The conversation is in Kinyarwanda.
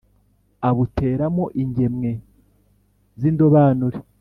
abuteramo ingemwe z’indobanure.